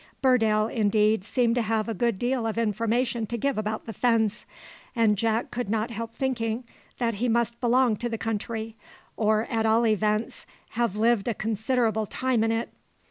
'" Burdale, indeed, seemed to have a good deal of information to give about the fens; and Jack could not help thinking that he must belong to the country, or, at all events, have lived a considerable time in it.